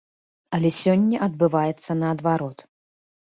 Але сёння адбываецца наадварот.